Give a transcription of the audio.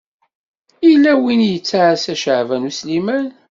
Yella win i yettɛassa Caɛban U Sliman.